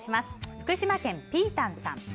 福島県の方です。